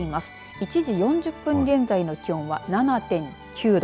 １時４０分現在の気温は７．９度。